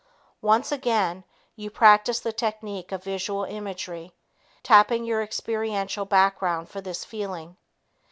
Once again, you practice the technique of visual imagery, tapping your experiential background for this feeling.